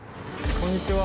こんにちは。